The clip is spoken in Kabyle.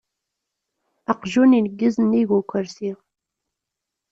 Aqjun ineggez-nnig ukersi.